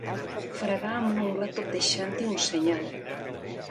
Fregar amb l'ungla tot deixant-hi un senyal.